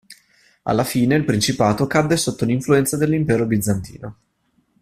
Alla fine il Principato cadde sotto l'influenza dell'Impero Bizantino.